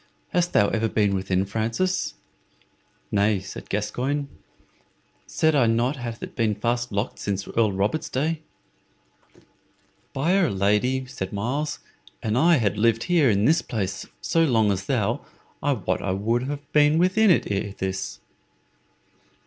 Hast ever been within, Francis?" "Nay," said Gascoyne; "said I not it hath been fast locked since Earl Robert's day?" "By'r Lady," said Myles, "an I had lived here in this place so long as thou, I wot I would have been within it ere this."